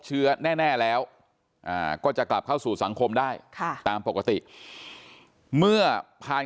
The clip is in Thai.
เชื้อแน่แล้วก็จะกลับเข้าสู่สังคมได้ค่ะตามปกติเมื่อภาย